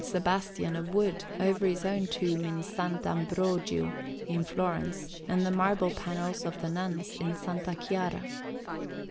Sebastian of wood over his own tomb in S. Ambrogio at Florence, and the marble panel of the Nuns of S. Chiara.